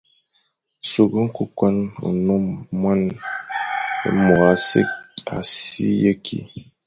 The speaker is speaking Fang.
Sughle ñkôkon, nnôm, mône, é môr a si ye kî,